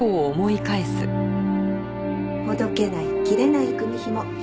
ほどけない切れない組紐。